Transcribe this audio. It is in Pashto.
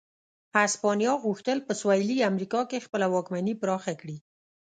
هسپانیا غوښتل په سوېلي امریکا کې خپله واکمني پراخه کړي.